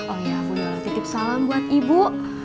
oh iya mudah lu titip salam buat ibu